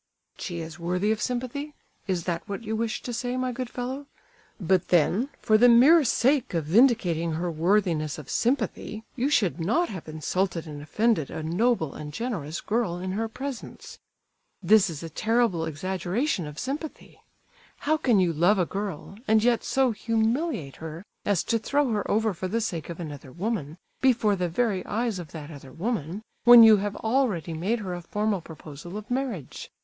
"She is worthy of sympathy? Is that what you wished to say, my good fellow? But then, for the mere sake of vindicating her worthiness of sympathy, you should not have insulted and offended a noble and generous girl in her presence! This is a terrible exaggeration of sympathy! How can you love a girl, and yet so humiliate her as to throw her over for the sake of another woman, before the very eyes of that other woman, when you have already made her a formal proposal of marriage?